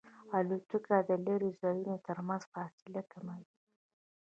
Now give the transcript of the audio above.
الوتکه د لرې ځایونو ترمنځ فاصله کموي.